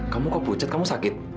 kamu kok bujat kamu sakit